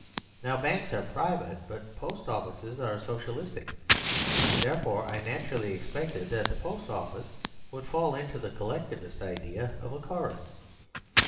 Now, banks are private; but post offices are Socialistic: therefore I naturally expected that the post office would fall into the collectivist idea of a chorus.